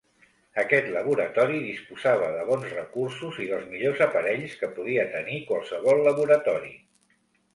Aquest laboratori disposava de bons recursos i dels millors aparells que podia tenir qualsevol laboratori.